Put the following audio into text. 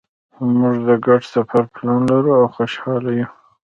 مونږ د ګډ سفر پلان لرو او خوشحاله یو